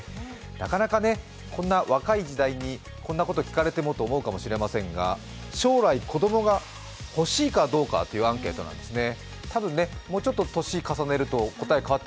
なかなかこの若い時代にこんなことを聞かれてもと思うかもしれませんが、将来、子供が欲しいかどうかというアンケートなんですね。